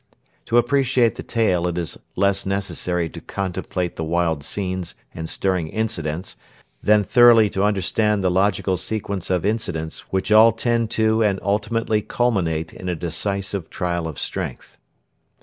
To appreciate the tale it is less necessary to contemplate the wild scenes and stirring incidents, than thoroughly to understand the logical sequence of incidents which all tend to and ultimately culminate in a decisive trial of strength.